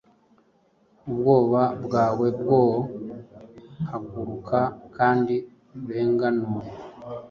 Ubwoba bwawe bwoe, haguruka kandi urenganure